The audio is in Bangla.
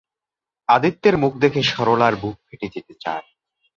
আদিত্যের মুখ দেখে সরলার বুক ফেটে যেতে চায়।